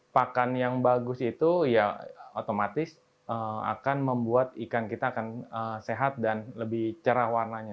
pakan yang bagus itu ya otomatis akan membuat ikan kita akan sehat dan lebih cerah warnanya